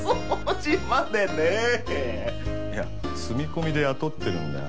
いや住み込みで雇ってるんだよ。